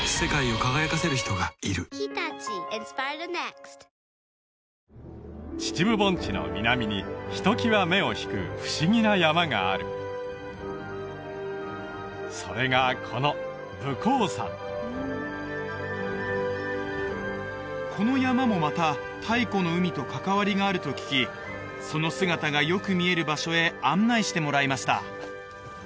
秩父に現れた秩父盆地の南にひときわ目を引く不思議な山があるそれがこのこの山もまた太古の海と関わりがあると聞きその姿がよく見える場所へ案内してもらいました